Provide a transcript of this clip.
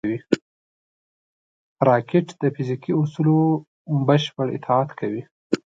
راکټ د فزیکي اصولو بشپړ اطاعت کوي